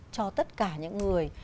cho tất cả những người